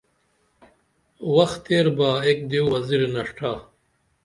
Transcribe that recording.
وخ تیر با ایک دیو وزیر نڜٹا